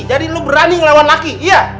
jadi lo berani ngelewan laki iya